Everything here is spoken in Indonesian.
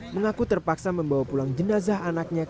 mengaku terpaksa membawa pulang jenazah anaknya